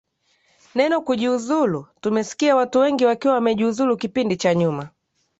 neno kujiuzulu tumesikia watu wengi wakiwa wamejiuzulu kipindi cha nyuma